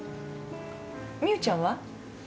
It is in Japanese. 美雨ちゃんは？